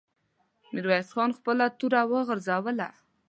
ميرويس خان خپله توره وغورځوله.